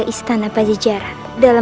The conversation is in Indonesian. lestari didadak didnan